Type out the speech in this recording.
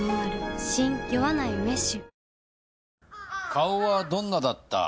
顔はどんなだった？